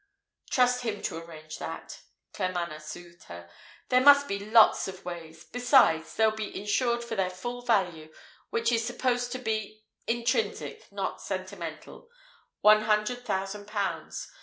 "Trust him to arrange that," Claremanagh soothed her. "There must be lots of ways. Besides, they'll be insured for their full value, which is supposed to be intrinsic, not sentimental one hundred thousand pounds.